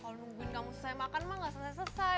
kalau nungguin kamu selesai makan mah gak selesai selesai